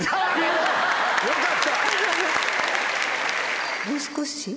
よかった！